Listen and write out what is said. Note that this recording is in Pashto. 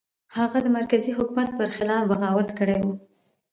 هغه د مرکزي حکومت پر خلاف بغاوت کړی و.